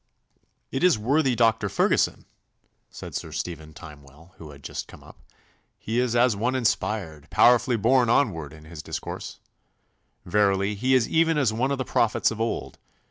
'It is worthy Doctor Ferguson,' said Sir Stephen Timewell, who had just come up. 'He is as one inspired, powerfully borne onwards in his discourse. Verily he is even as one of the prophets of old.